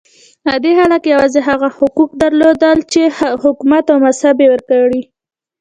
عادي خلک یوازې هغه حقوق درلودل چې حکومت او مذهب یې ورکړي.